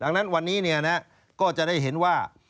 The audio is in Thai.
ดังนั้นวันนี้ก็จะได้เห็นว่า